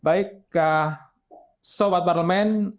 baik sobat parlemen